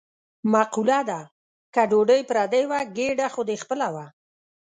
مقوله ده: که ډوډۍ پردۍ وه ګېډه خو دې خپله وه.